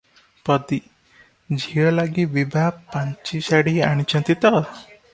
ପଦୀ-ଝିଅ ଲାଗି ବିଭା ପାଞ୍ଚି ଶାଢୀ ଆଣିଛନ୍ତି ତ?